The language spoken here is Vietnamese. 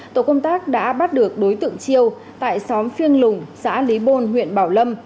tổ công tác đã bắt được đối tượng chiêu tại xóm phiêng lùng xã lý bôn huyện bảo lâm